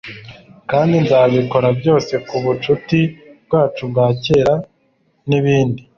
kandi nzabikora byose k'ubucuti bwacu bwa kera nibindi